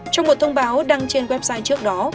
trong một thông báo đăng trên website trước đó